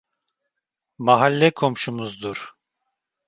Mahalle komşumuzdur…